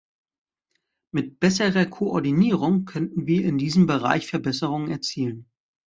Mit besserer Koordinierung könnten wir in diesem Bereich Verbesserungen erzielen.